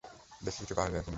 দেখি কিছু পাওয়া যায় কি না।